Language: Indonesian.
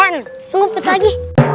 nunggu pet lagi